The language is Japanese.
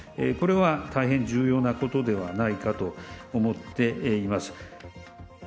これは大変重要なことではないかと思っています。